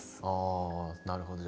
ああなるほど。